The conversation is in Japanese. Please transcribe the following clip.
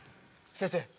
先生